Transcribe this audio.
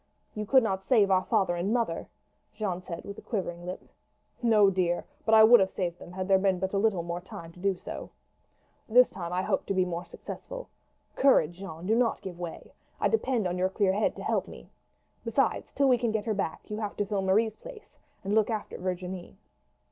"You could not save our father and mother," Jeanne said with a quivering lip. "No, dear; but I would have saved them had there been but a little time to do so. This time I hope to be more successful. Courage, Jeanne! Do not give way; I depend on your clear head to help me. Besides, till we can get her back, you have to fill Marie's place and look after Virginie."